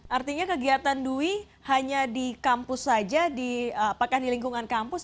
artinya kegiatan dwi hanya di kampus saja di apakah di lingkungan kampus